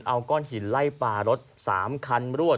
เอาก้อนหินไล่ปลารถ๓คันรวด